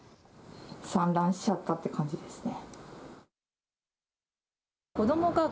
散乱しちゃったって感じですね。